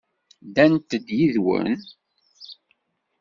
Ddant-d yid-wen?